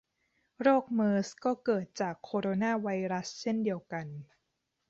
โรคเมอร์สก็เกิดจากโคโรนาไวรัสเช่นเดียวกัน